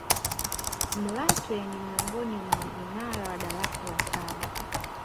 malatwe ni miongoni mwa vinara wa darasa la saba